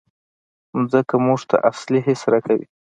مځکه موږ ته اصلي حس راکوي.